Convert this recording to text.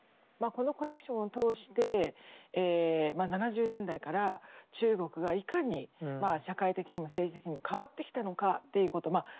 まあこのコレクションを通して７０年代から中国がいかにまあ社会的にも政治的にも変わってきたのかっていうこと